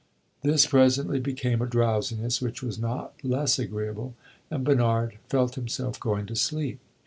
This presently became a drowsiness which was not less agreeable, and Bernard felt himself going to sleep.